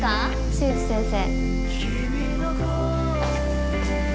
新内先生。